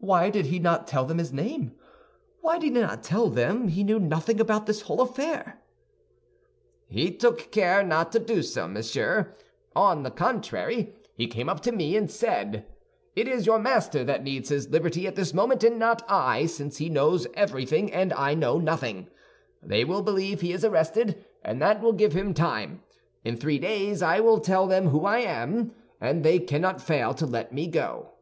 "Why did he not tell them his name? Why did he not tell them he knew nothing about this affair?" "He took care not to do so, monsieur; on the contrary, he came up to me and said, 'It is your master that needs his liberty at this moment and not I, since he knows everything and I know nothing. They will believe he is arrested, and that will give him time; in three days I will tell them who I am, and they cannot fail to let me go.